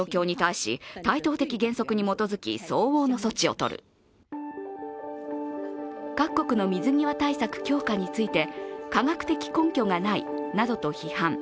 これに中国は各国の水際対策強化について科学的根拠がないなどと批判。